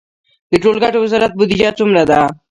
د ټولګټو وزارت بودیجه څومره ده؟